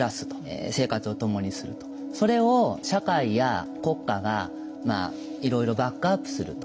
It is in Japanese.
それを社会や国家がいろいろバックアップすると。